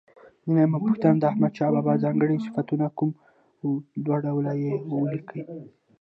درېمه پوښتنه: د احمدشاه بابا ځانګړي صفتونه کوم و؟ دوه ډوله یې ولیکئ.